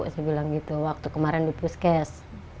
saya bilang gitu waktu kemarin di puskes